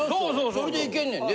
それでいけんねんで。